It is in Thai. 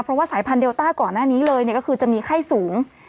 เพราะว่าสายพันธเดลต้าก่อนหน้านี้เลยก็คือจะมีไข้สูง